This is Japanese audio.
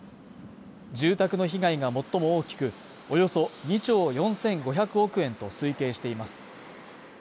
住宅の被害が最も大きく、およそ２兆４５００億円と推計しています。